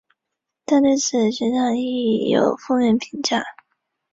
俄国一战前的阿穆尔河区舰队拥有着强大的内河炮舰实力。